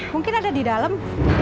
mungkin ada di dalam